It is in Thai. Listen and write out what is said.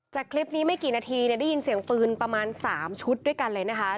คลิปนี้ไม่กี่นาทีได้ยินเสียงปืนประมาณ๓ชุดด้วยกันเลยนะคะ